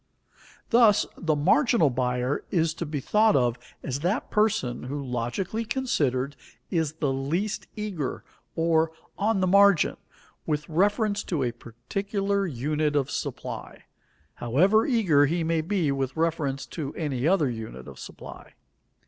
Thus, the marginal buyer is to be thought of as that person who, logically considered, is the least eager, or on the margin, with reference to a particular unit of supply, however eager he may be with reference to any other unit of supply.